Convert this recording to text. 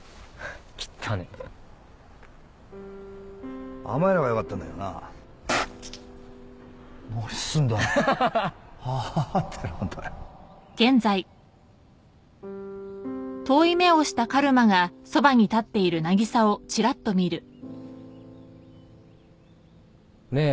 きったねえ甘いのがよかったんだけどな何すんだよハハハハハハって何だよねえ